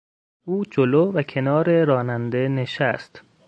او جلو و کنار راننده نشست.